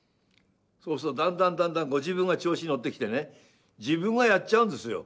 そうするとだんだんだんだんご自分が調子に乗ってきてね自分がやっちゃうんですよ。